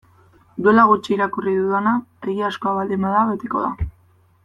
Duela gutxi irakurri dudana egiazkoa baldin bada beteko da.